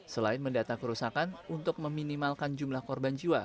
selain mendata kerusakan untuk meminimalkan jumlah korban jiwa